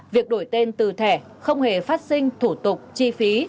việc đổi tên từ thẻ không hề phát sinh thủ tục chi phí